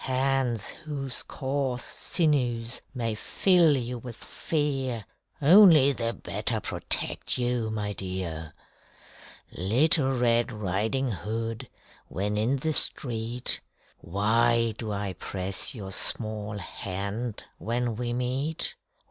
Hands whose coarse sinews may fill you with fear Only the better protect you, my dear! Little Red Riding Hood, when in the street, Why do I press your small hand when we meet?